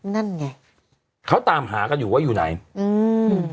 นั่นไงเขาตามหากันอยู่ว่าอยู่ไหนอืม